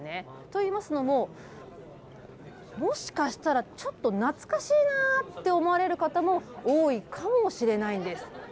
といいますのも、もしかしたら、ちょっと懐かしいなって思われる方も多いかもしれないんです。